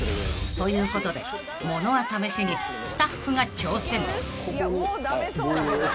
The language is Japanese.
［ということで物は試しにスタッフが挑戦］